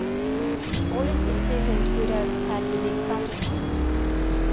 All his decisions would have had to be countersigned.